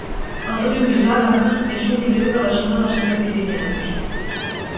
El riu Isàvena és un riu de la zona dels Prepirineus.